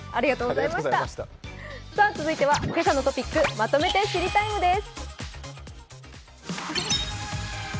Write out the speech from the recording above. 続いては「けさのトピックまとめて知りＴＩＭＥ，」です。